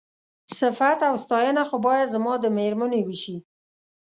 صيفت او ستاينه خو بايد زما د مېرمنې وشي.